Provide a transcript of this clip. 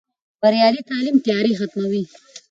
بریالی تعلیم تیارې ختموي.